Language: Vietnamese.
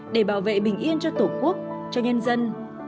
để bảo vệ bình yên cho tổ quốc cho nhân dân